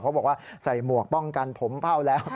บอกว่าใส่หมวกป้องกันผมเผ่าแล้ว